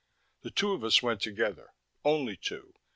The two of us went together; only two.